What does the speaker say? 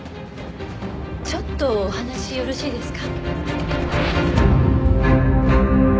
ちょっとお話よろしいですか？